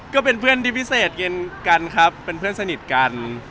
ก็เป็นเพื่อนที่พิเศษกันครับเป็นเพื่อนสนิทกัน